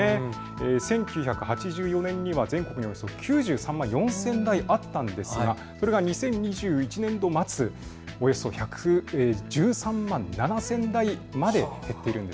１９８４年には全国におよそ９３万４０００台あったんですがこれが２０２１年度末、およそ１３万７０００台まで減っているんです。